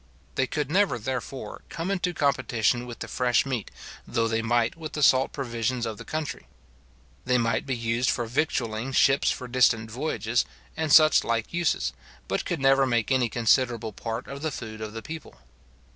They could never, therefore, come into competition with the fresh meat, though they might with the salt provisions of the country. They might be used for victualling ships for distant voyages, and such like uses, but could never make any considerable part of the food of the people.